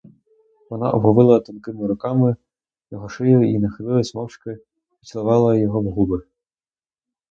Вона оповила тонкими руками його шию і, нахилившись, мовчки поцілувала його в губи.